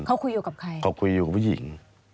เขาคุยอยู่กับผู้หญิง